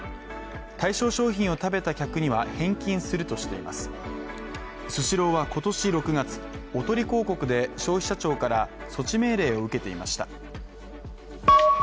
対象商品を食べた客には返金するとしていますスシローは今年６月、おとり広告で消費者庁から措置命令を受けていました。